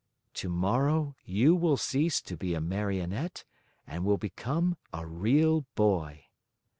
"Tomorrow you will cease to be a Marionette and will become a real boy."